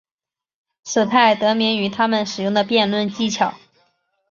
此派得名于他们使用的辩论技巧。